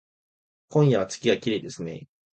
今夜は月がきれいですね